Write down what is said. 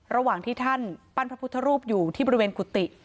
ระหว่างที่ท่านปั้นพระพุทธรูปอยู่ที่บริเวณกุฏิ